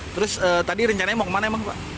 terus tadi rencana mau kemana emang